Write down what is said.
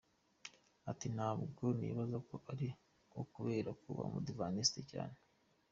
Ati:"…Ntabwo nibaza ko ari ukubera kuba umudiventiste cyane.